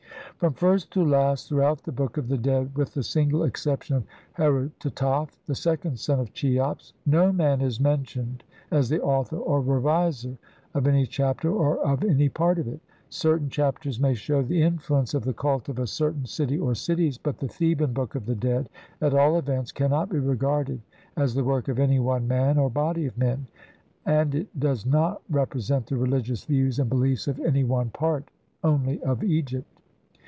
From first to last throughout the Book of the Dead, with the single exception of Herutataf, the second son of Cheops, no man is mentioned as the author or reviser of any Chapter or of any part of it ; certain Chapters may shew the influence of the cult of a cer tain city or cities, but the Theban Book of the Dead, at all events, cannot be regarded as the work of any one man or body of men, and it does not re present the religious views and beliefs of any one part only of Egypt.